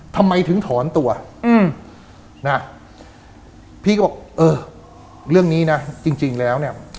ทำไมถึงถอนตัวอืมนะพี่ก็บอกเออเรื่องนี้นะจริงจริงแล้วเนี่ย